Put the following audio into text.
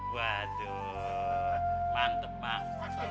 waduh mantep bang